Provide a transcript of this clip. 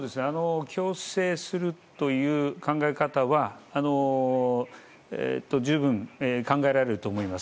強制するという考えは十分、考えられると思います。